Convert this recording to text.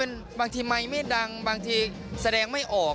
บางทีไมค์ไม่ดังบางทีแสดงไม่ออก